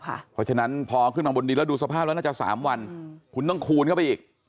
เพราะฉะนั้นพอขึ้นมาบนดินแล้วดูสภาพแล้วน่าจะ๓วันคุณต้องคูณเข้าไปอีก